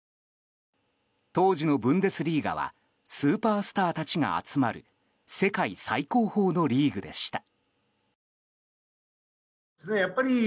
当時のブンデスリーガはスーパースターたちが集まる世界最高峰のリーグでした。